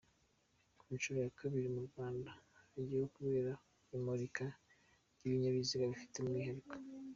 Ku nshuro ya kabiri mu Rwanda hagiye kubera imurika ry’ibinyabiziga bifite umwihariko.